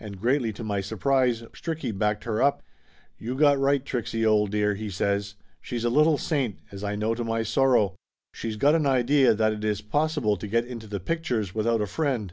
And greatly to my surprise, Stricky backed her up. "You got right, Trixie, old dear!" he says. "She's a little saint, as I know to my sorrow. She's got an idea that it is possible to get into the pictures without a friend."